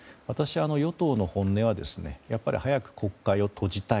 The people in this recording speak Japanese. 与党の本音はやっぱり早く国会を閉じたい。